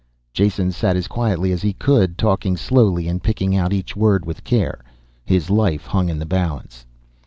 Jason sat as quietly as he could, talking slowly and picking out each word with care. His life hung in the balance.